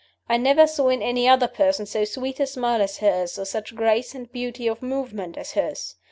I never saw in any other person so sweet a smile as hers, or such grace and beauty of movement as hers.